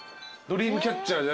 ドリームキャッチャーだ。